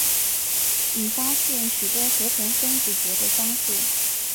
已发现许多合成分子结的方式。